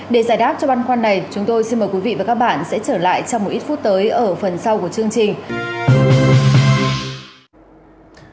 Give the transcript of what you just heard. để giải đáp cho băn khoăn này chúng tôi xin mời quý vị và các bạn sẽ trở lại trong một ít phút tới ở phần sau của chương trình